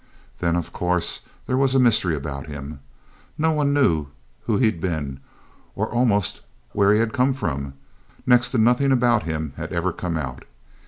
Then, of course, there was a mystery about him. Nobody knew who he'd been, or almost where he had come from next to nothing about him had ever come out.